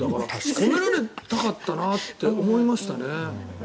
褒められたかったなって思いましたね。